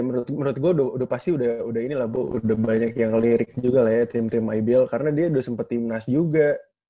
menurut gue udah pasti udah ini lah udah banyak yang lirik juga lah ya tim tim ibl karena dia udah sempat timnas juga